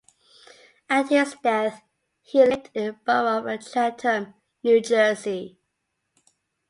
At his death, he lived in the borough of Chatham, New Jersey.